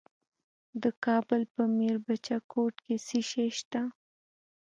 د کابل په میربچه کوټ کې څه شی شته؟